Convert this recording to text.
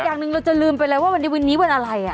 อย่างหนึ่งเราจะลืมไปเลยว่าวันนี้วันอะไร